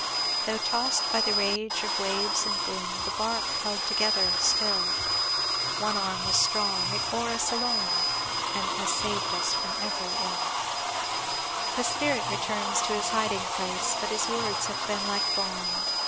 "'Though tossed by the rage of waves and wind, The bark held together still, One arm was strong it bore us along, And has saved from every ill.' "The Spirit returns to his hiding place, But his words have been like balm.